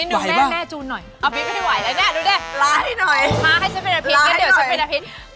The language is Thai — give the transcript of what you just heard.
ร้าให้หน่อยมาให้ฉันเป็นอภิรณ์จะเป็นอภิรณ์